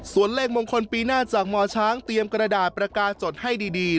ส่วนเลขมงคลปีหน้าจากหมอช้างเตรียมกระดาษประกาศสดให้ดี